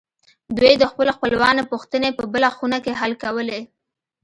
دوی د خپلو خپلوانو پوښتنې په بله خونه کې حل کولې